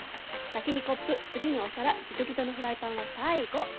先にコップ次にお皿ギトギトのフライパンは最後！